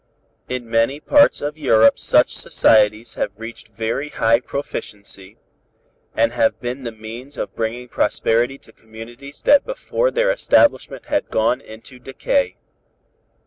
"In many parts of Europe such societies have reached very high proficiency, and have been the means of bringing prosperity to communities that before their establishment had gone into decay.